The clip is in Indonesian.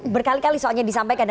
berkali kali soalnya disampaikan